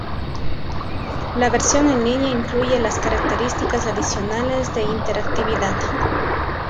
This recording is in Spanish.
La versión en línea incluye las características adicionales de interactividad.